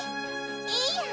いいやん。